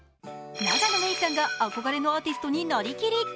永野芽郁さんが憧れのアーティストになりきり。